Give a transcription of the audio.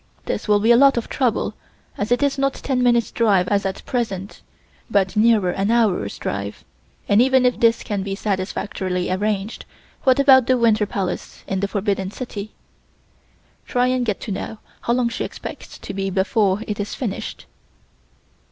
This will be a lot of trouble as it is not ten minutes' drive as at present, but nearer an hour's drive. And even if this can be satisfactorily arranged, what about the Winter Palace in the Forbidden City? Try and get to know how long she expects to be before it is finished."